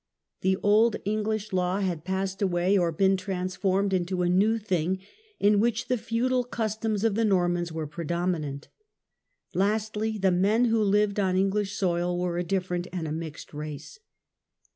The old English law had passed away, or been transformed into a new thing, in which the feudal customs of the Normans were predominant Lastly, the men who lived on Eng lish soil were a different, and a mixed, race.